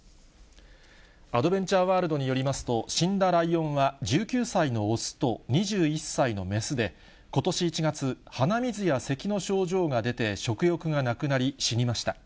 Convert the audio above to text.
アドベンチャーワールドによりますと、死んだライオンは１９歳の雄と２１歳の雌で、ことし１月、鼻水やせきの症状が出て食欲がなくなり死にました。